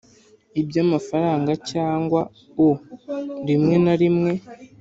iby amafaranga cyangwa O Rimwe na rimwe